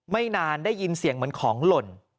ไม่นานได้ยินเสียงเหมือนของหล่น